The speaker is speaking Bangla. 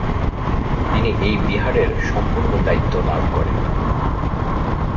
তিনি এই বিহারের সম্পূর্ণ দায়িত্ব লাভ করেন।